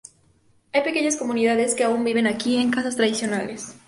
Hay pequeñas comunidades que aún viven aquí, en casas tradicionales.